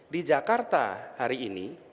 di jakarta hari ini